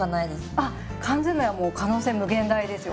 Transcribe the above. あっ缶詰はもう可能性無限大ですよ。